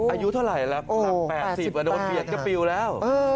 อายุเท่าไหร่แล้วหนัก๘๐กว่าโดนเบียดก็ปิวแล้ว